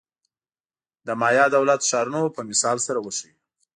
د مایا دولت-ښارونو په مثال سره وښیو.